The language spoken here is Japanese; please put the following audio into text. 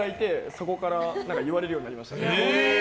そこから言われるようになりましたね。